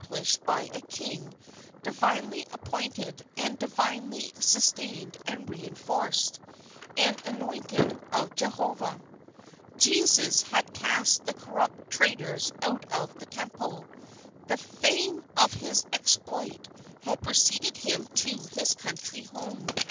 s plished by a King divinely appointed and di Pl vinely sustained and reinforced an Anointed of Jehovah. Jesus had cast the corrupt traders out of 5 the Temple. The fame of his exploit had preceded him to his country home.